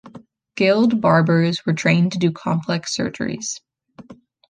Guild barbers were trained to do complex surgeries.